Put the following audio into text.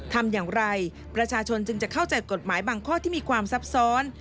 ทำอย่างไรประชาชนจึงจะเข้าใจกฎหมายบางข้อที่มีความซับซ้อน